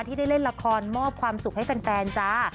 ที่ได้เล่นละครมอบความสุขให้แฟนจ้า